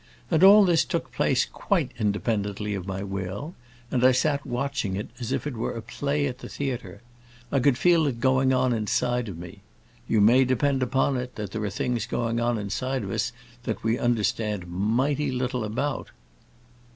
And all this took place quite independently of my will, and I sat watching it as if it were a play at the theatre. I could feel it going on inside of me. You may depend upon it that there are things going on inside of us that we understand mighty little about."